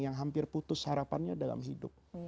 yang hampir putus harapannya dalam hidup